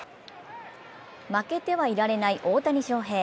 負けてはいられない大谷翔平。